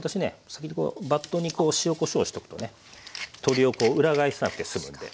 先ほどバットにこう塩・こしょうをしておくとね鶏を裏返さなくて済むんで。